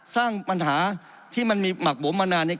สร้างปัญหาที่มันมีหมักหมวมมานานเนี่ย